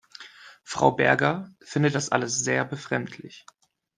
Frau Berger findet das alles sehr befremdlich.